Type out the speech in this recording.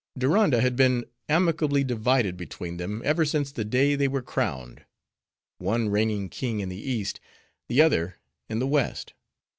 Diranda had been amicably divided between them ever since the day they were crowned; one reigning king in the East, the other in the West.